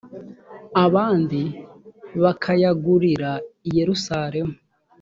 abandi bakayagurira i yerusalemu .